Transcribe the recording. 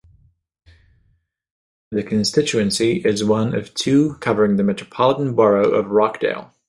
The constituency is one of two covering the Metropolitan Borough of Rochdale.